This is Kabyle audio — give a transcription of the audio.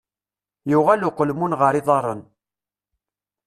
Yuɣal uqelmun ɣer yiḍarren.